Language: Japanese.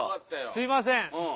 すいません